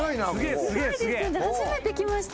すごいですよね初めて来ました